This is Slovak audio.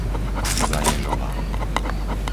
Zaježová